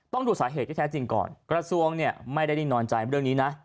ดูสาเหตุที่แท้จริงก่อนกระทรวงเนี่ยไม่ได้นิ่งนอนใจเรื่องนี้นะ